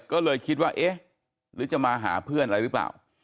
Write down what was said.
ก็เลยคิดว่าเอ๊ะหรือจะมาหาเพื่อนอะไรหรือเปล่า